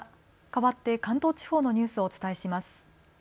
かわって関東地方のニュースをお伝えします。